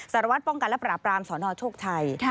สรวจป้องกันและแปลสลชกชัย